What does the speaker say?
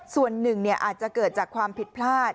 ส่วนหนึ่งอาจจะเกิดจากความผิดพลาด